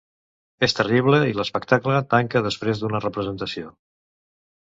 És terrible i l'espectacle tanca després d'una representació.